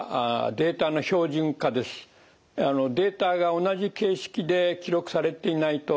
データが同じ形式で記録されていないと統合できないわけです。